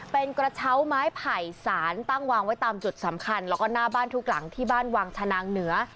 เป็นกระเช้าไม้ไผ่สารตั้งวางไว้ตามจุดสำคัญแล้วก็หน้าบ้านทุกหลังที่บ้านวางชนางเหนือ